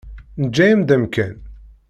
Neǧǧa-yam-d amkan.